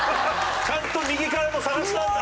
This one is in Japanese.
ちゃんと「右から」も探したんだ？